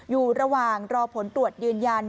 อยู่ระหว่างรอผลตรวจยืนยัน